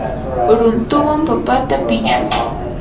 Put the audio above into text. runtuwan papata pichuy.